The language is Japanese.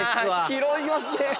拾いますね。